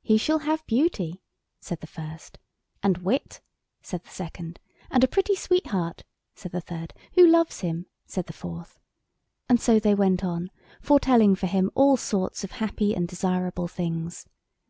"He shall have beauty," said the first. "And wit," said the second. "And a pretty sweetheart," said the third; "who loves him," said the fourth. And so they went on, foretelling for him all sorts of happy and desirable things.